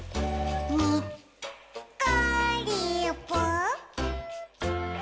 「にっこりぽっ」